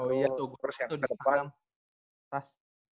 oh iya tuh gue fokus di tas